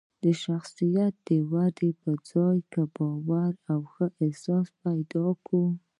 د شخصیت وده په ځان کې باور او ښه احساس پیدا کوي.